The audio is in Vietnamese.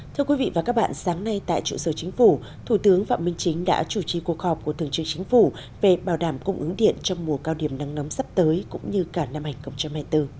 thưa quý vị và các bạn sáng nay tại trụ sở chính phủ thủ tướng phạm minh chính đã chủ trì cuộc họp của thường trưởng chính phủ về bảo đảm cung ứng điện trong mùa cao điểm nắng nóng sắp tới cũng như cả năm hai nghìn hai mươi bốn